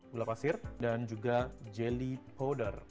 gula pasir dan juga jelly powder